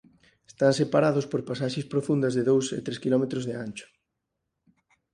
Están separados por pasaxes profundas de dous e tres quilómetros de ancho.